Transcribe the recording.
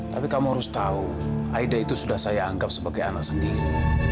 tapi kamu harus tahu aida itu sudah saya anggap sebagai anak sendiri